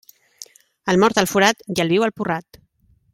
El mort al forat i el viu al porrat.